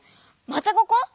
またここ？